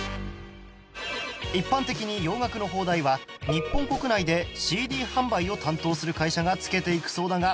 一般的に洋楽の邦題は日本国内で ＣＤ 販売を担当する会社が付けていくそうだが